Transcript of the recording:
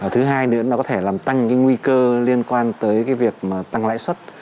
thứ hai nữa nó có thể làm tăng nguy cơ liên quan tới việc tăng lãi xuất